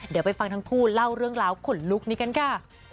เดี๋ยวไปฟังทั้งคู่เล่าเรื่องราวขนลุกนี้กันค่ะ